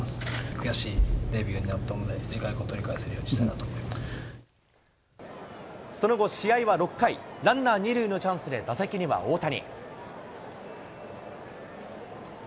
悔しいデビューになったので、次回以降、取り返せるようにしたその後、試合は６回、ランナー２塁のチャンスで打席には大谷。